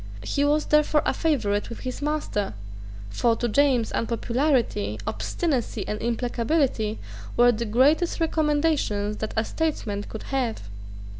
He was therefore a favourite with his master: for to James unpopularity, obstinacy, and implacability were the greatest recommendations that a statesman could have.